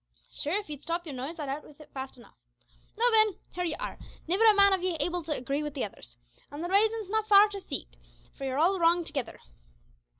"Sure, if ye'd stop your noise I'd out wid it fast enough. Now, then, here ye are, nivver a man of ye able to agree wid the others; an' the raisin's not far to seek for yer all wrong togither.